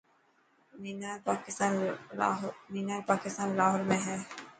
مينار پاڪستان لاهور ۾ هي.